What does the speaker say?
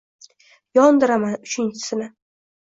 Yondiraman uchinchisini.